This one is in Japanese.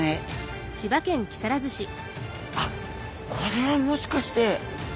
あっこれはもしかして。